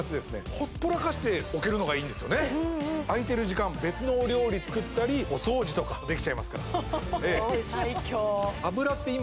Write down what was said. ほっぽらかしておけるのがいいんですよね空いてる時間別のお料理作ったりお掃除とかできちゃいますからすごい最強！